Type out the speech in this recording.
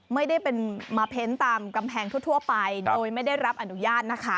ไม่ได้เป็นมาเพ้นตามกำแพงทั่วไปโดยไม่ได้รับอนุญาตนะคะ